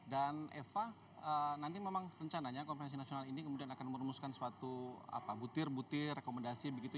dan eva nanti memang rencananya konferensi nasional ini kemudian akan merumuskan suatu butir butir rekomendasi begitu